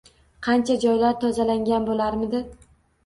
Qancha joylar tozalangan bo‘larmidi?!